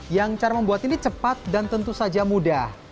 yang cara membuat ini cepat dan tentu saja mudah